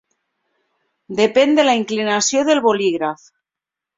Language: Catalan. Depèn de la inclinació del bolígraf.